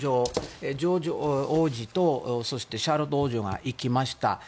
ジョージ王子とそしてシャーロット王女が行きました。